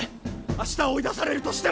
明日追い出されるとしても！